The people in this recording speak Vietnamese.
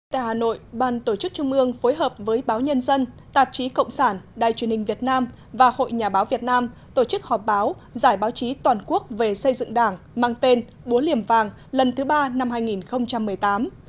tại hà nội ban tổ chức trung ương phối hợp với báo nhân dân tạp chí cộng sản đài truyền hình việt nam và hội nhà báo việt nam tổ chức họp báo giải báo chí toàn quốc về xây dựng đảng mang tên búa liềm vàng lần thứ ba năm hai nghìn một mươi tám